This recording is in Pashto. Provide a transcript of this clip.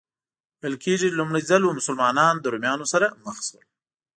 ویل کېږي لومړی ځل و مسلمانان له رومیانو سره مخ شول.